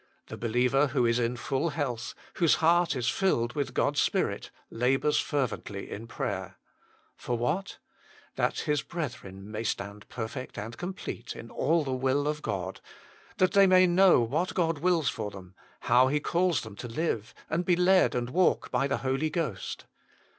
The believer who is in full health, whose heart is filled with God s Spirit, labours fervently in prayer. For what ? That his brethren may stand perfect and complete in all the will of God ; that they may know what God wills for them, how He calls them to live, and be led and walk by the Holy Ghost.